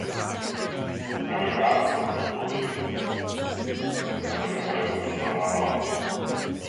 Mae gan y giât borthcwlis ac mae wedi cael ei rwystro'n rhannol.